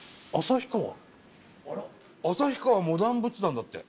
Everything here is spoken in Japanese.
「旭川モダン仏壇」だって。